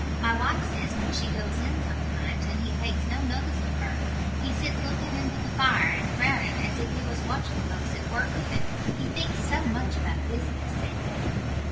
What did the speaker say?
My wife says, when she goes in sometimes, an' he takes no notice of her, he sits lookin' into the fire, and frownin' as if he was watchin' folks at work in it." "He thinks so much about business," said Maggie.